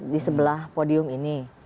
di sebelah podium ini